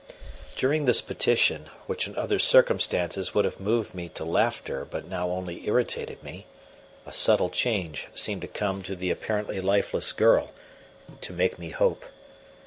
During this petition, which in other circumstances would have moved me to laughter but now only irritated me, a subtle change seemed to come to the apparently lifeless girl to make me hope.